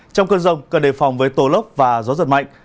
trong cơn rông cần đề phòng với tổ lốc và gió giật mạnh